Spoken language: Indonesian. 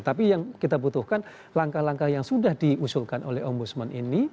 tapi yang kita butuhkan langkah langkah yang sudah diusulkan oleh ombudsman ini